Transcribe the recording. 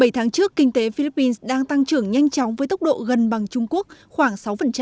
bảy tháng trước kinh tế philippines đang tăng trưởng nhanh chóng với tốc độ gần bằng trung quốc khoảng sáu